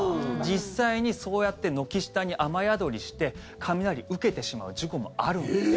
実際にそうやって軒下に雨宿りして雷、受けてしまう事故もあるんです。